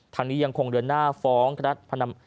ทางนี้ยังคงเดินหน้าฟ้องคณะ